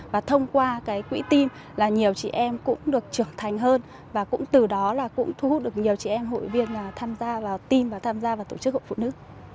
và thông qua cái quỹ team là nhiều chị em cũng được trưởng thành hơn và cũng từ đó là cũng thu hút được nhiều chị em hội viên tham gia vào team và tham gia vào tổ chức hội phụ nữ